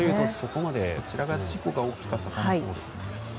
こちらは事故が起きた坂のほうですね。